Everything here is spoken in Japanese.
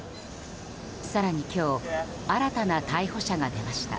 更に今日新たな逮捕者が出ました。